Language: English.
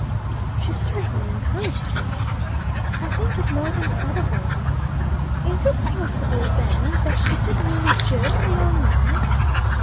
"She certainly encouraged him." "I think it more than probable." "Is it possible, then, that she did really jilt the young man?"